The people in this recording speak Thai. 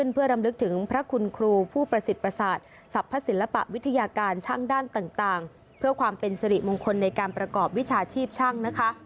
เพื่อความเป็นสิริมงคลในการประกอบวิชาชีพช่าง